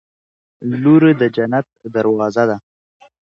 • لور د جنت دروازه ده.